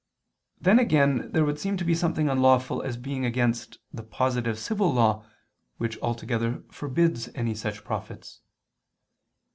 Then again there would seem to be something unlawful as being against the positive civil law, which altogether forbids any such profits.